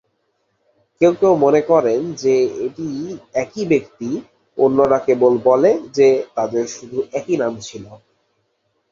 কেউ কেউ মনে করেন যে এটি একই ব্যক্তি, অন্যরা কেবল বলে যে তাদের শুধু একই নাম ছিল।